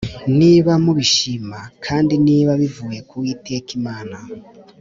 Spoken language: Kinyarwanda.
niba mubishima kandi niba bivuye ku Uwiteka Imana